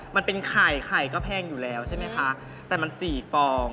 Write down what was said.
มันเป็นไข่ไข่ก็แพงอยู่แล้วใช่ไหมคะแต่มันสี่ฟอง